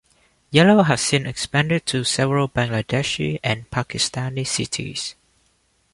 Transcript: Yellow has since expanded to several Bangladeshi and Pakistani cities.